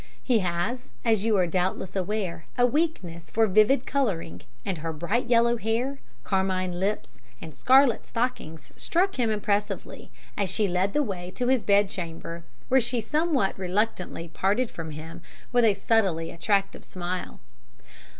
"He has, as you are doubtless aware, a weakness for vivid colouring, and her bright yellow hair, carmine lips, and scarlet stockings struck him impressively as she led the way to his bed chamber, where she somewhat reluctantly parted from him with a subtly attractive smile.